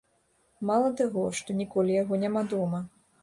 Мала таго, што ніколі яго няма дома.